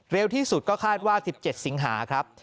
เร็วที่สุดก็คาดว่า๑๗สิงหาครับ